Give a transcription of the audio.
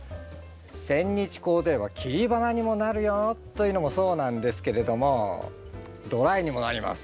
センニチコウでは切り花にもなるよというのもそうなんですけれどもドライにもなります。